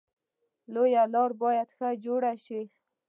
لویې لارې باید ښه جوړې شي.